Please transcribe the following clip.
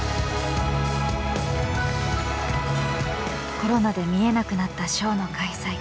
コロナで見えなくなったショーの開催。